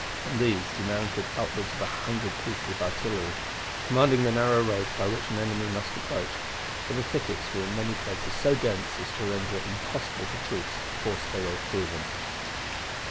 On these he mounted upward of a hundred pieces of artillery, commanding the narrow roads by which an enemy must approach, for the thickets were in many places so dense as to render it impossible for troops to force their way through them.